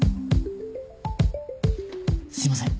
すいません。